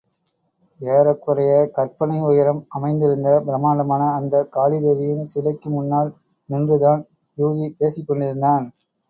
ஏறக்குறையக் கற்பனை உயரம் அமைந்திருந்த பிரம்மாண்டமான அந்தக் காளிதேவியின் சிலைக்கு முன்னால் நின்றுதான் யூகி பேசிக் கொண்டிருந்தான்.